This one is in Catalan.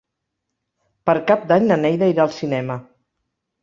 Per Cap d'Any na Neida irà al cinema.